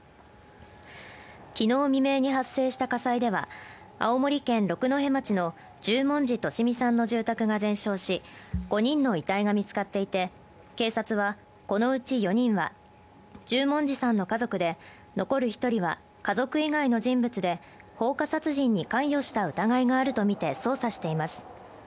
昨日未明に発生した火災では、青森県六戸町の十文字利美さんの住宅が全焼し、５人の遺体が見つかっていて、警察はこのうち４人は、十文字さんの家族で残る１人は家族以外の人物で放火殺人に関与した疑いがあるとみて捜査しています。